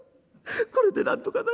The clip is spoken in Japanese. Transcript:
これでなんとかなります。